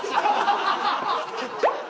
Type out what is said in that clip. ハハハハ！